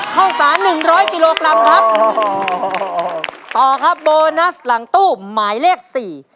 ข้าวสารหนึ่งร้อยกิโลกรัมครับโอ้โหต่อครับโบนัสหลังตู้หมายเลขสี่